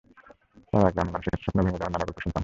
তার আগে আমি মানুষের কাছে স্বপ্ন ভেঙে যাওয়ার নানা গল্প শুনতাম।